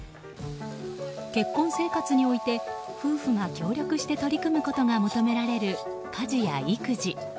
結婚生活において夫婦が協力して取り組むことが求められる家事や育児。